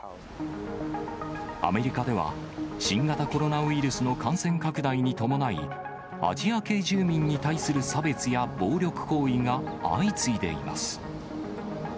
アメリカでは、新型コロナウイルスの感染拡大に伴い、アジア系住民に対する差別や暴力行為が相次いでいます。